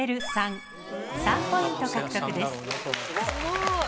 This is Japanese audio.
１ポイント獲得です。